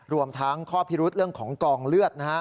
รวมทั้งข้อพิรุธเรื่องของกองเลือดนะฮะ